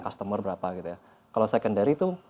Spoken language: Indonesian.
customer berapa gitu ya kalau secondary itu